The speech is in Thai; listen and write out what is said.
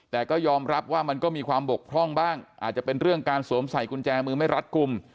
แต่ก็ยอมรับว่ามันก็มีความบกพร่องบ้างอาจจะเป็นเรื่องการสวมใส่กุญแจมือไม่รัดกลุ่ม